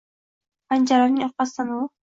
Panjaraning orqasidan u